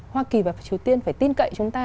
hoa kỳ và triều tiên phải tin cậy chúng ta